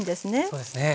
そうですね。